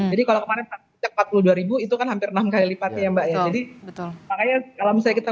jadi kalau kemarin empat puluh dua itu kan hampir enam kali lipatnya mbak jadi betul kalau misalnya kita